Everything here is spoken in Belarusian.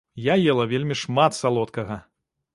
Я ела вельмі шмат салодкага!